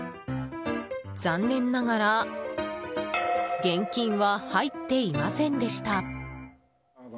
残念ながら現金は入っていませんでした。